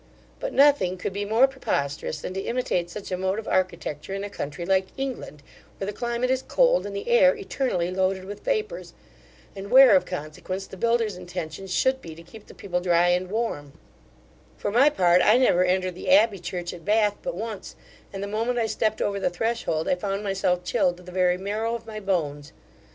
But nothing could be more preposterous, than to imitate such a mode of architecture in a country like England, where the climate is cold, and the air eternally loaded with vapours; and where, of consequence, the builder's intention should be to keep the people dry and warm For my part, I never entered the Abbey church at Bath but once, and the moment I stept over the threshold, I found myself chilled to the very marrow of my bones.